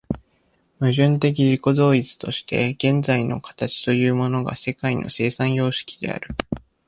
矛盾的自己同一として現在の形というものが世界の生産様式である。